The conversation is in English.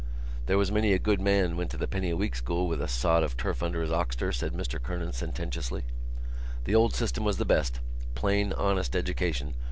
"There was many a good man went to the penny a week school with a sod of turf under his oxter," said Mr Kernan sententiously. "The old system was the best: plain honest education.